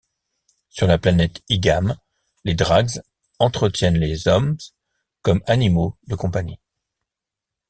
Sur la planète Ygam, les Drags entretiennent les Oms comme animaux de compagnie.